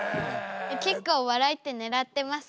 結構笑いって狙ってますか？